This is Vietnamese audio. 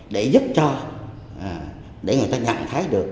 để giúp cho để người ta nhận thấy được